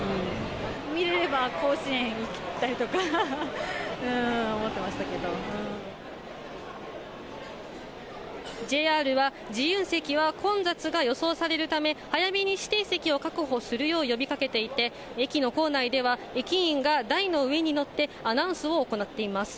見れれば甲子園に行きたいとＪＲは、自由席は混雑が予想されるため、早めに指定席を確保するよう呼びかけていて、駅の構内では、駅員が台の上に乗ってアナウンスを行っています。